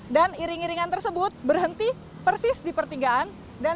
dan iring iringan tersebut berhenti persis di pertinggaan